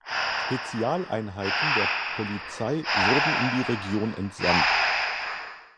Spezialeinheiten der Polizei wurden in die Region entsandt.